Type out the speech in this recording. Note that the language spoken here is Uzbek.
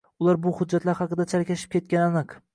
Ular bu hujjatlar haqida chalkashib ketgani aniq.